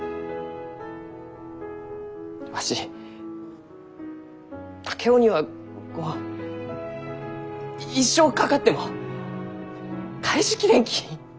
わし竹雄にはこう一生かかっても返し切れんき。